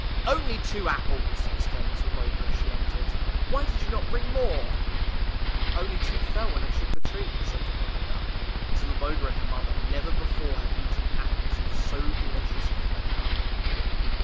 " OrJy two apples !" exclaimed Zloboga, as she entered. " Why did you not bring more? "[ 18 ] THE TWELVE MONTHS " Only two fell when I shook the tree," said Dobrunka. Zloboga and her mother never before had eaten apples of so delicious a flavor.